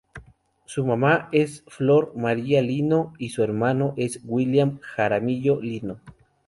Su mamá es Flor María Lino y su hermano es William Jaramillo Lino.